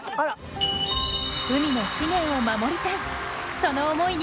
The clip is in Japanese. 海の資源を守りたい。